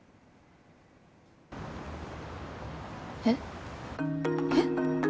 えっ？へっ！？